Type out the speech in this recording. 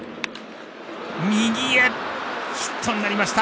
ヒットになりました。